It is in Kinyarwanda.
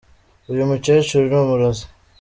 Uyu mukecuru ni umurozi.